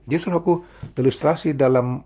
jadi suruh aku ilustrasi dalam